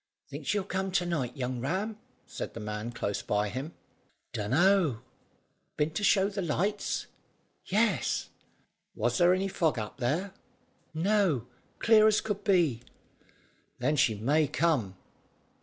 "Think she'll come to night, young Ram?" said the man close by him. "Dunno." "Been to show the lights?" "Yes." "Was there any fog up there?" "No; clear as could be." "Then she may come.